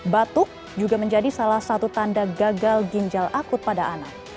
batuk juga menjadi salah satu tanda gagal ginjal akut pada anak